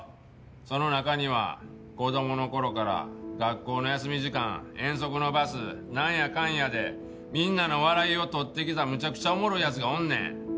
その中には子供の頃から学校の休み時間遠足のバスなんやかんやでみんなの笑いを取ってきたむちゃくちゃおもろい奴がおんねん！